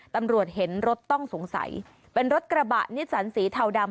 ตำรวจเห็นรถต้องสงสัยเป็นรถกระบะนิสสันสีเทาดำ